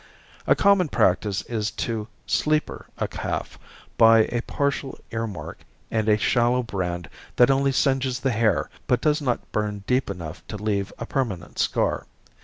A common practice is to "sleeper" a calf by a partial earmark and a shallow brand that only singes the hair but does not burn deep enough to leave a permanent scar.